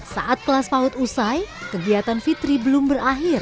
saat kelas paut usai kegiatan fitri belum berakhir